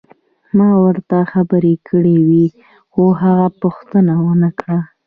ما ورته خبرې کړې وې خو هغه پوښتنه ونه کړه.